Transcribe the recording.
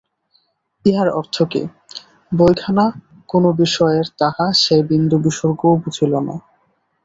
ইহার অর্থ কি, বইখানা কোন বিষয়ের তাহা সে বিন্দুবিসর্গও বুঝিল না।